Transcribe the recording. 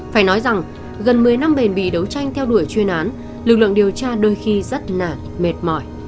phải nói rằng gần một mươi năm bền bỉ đấu tranh theo đuổi chuyên án lực lượng điều tra đôi khi rất là mệt mỏi